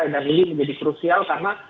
dan ini menjadi krusial karena